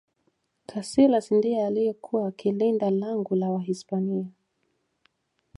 kasilas ndiye alikuwa akilinda langu la wahispania